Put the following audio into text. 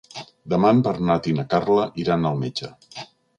Demà en Bernat i na Carla iran al metge.